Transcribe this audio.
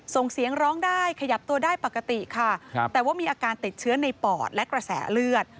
ส่งเสียงร้องได้ขยับตัวได้ปกติค่ะแต่ว่ามีอาการติดเชื้อในปอดและกระแสเลือด